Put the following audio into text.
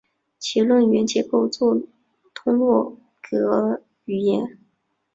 其论元结构为作通格语言。